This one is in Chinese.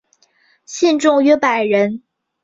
信众约百人。